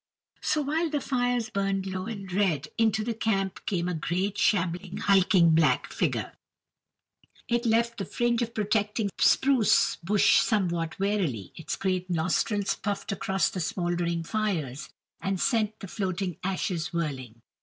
So, while the fires burned low and red, into the camp came a great, shambling, hulking black figure; it left the fringe of protecting spruce bush somewhat warily; its great nostrils puffed across the smoldering fires, and sent the floating ashes whirling.